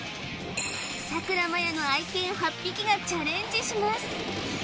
さくらまやの愛犬８匹がチャレンジします